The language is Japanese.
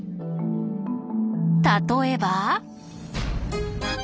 例えば。